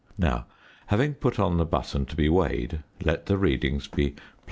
Now having put on the button to be weighed let the readings be +7.